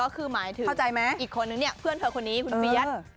เข้าใจไหมอีกคนนึงเนี่ยเพื่อนเธอคนนี้แมมียัส